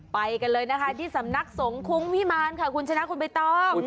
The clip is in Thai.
ไปกันเลยนะคะที่สำนักสงคุ้งวิมารค่ะคุณชนะคุณใบตอง